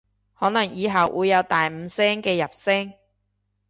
可能以後會有第五聲嘅入聲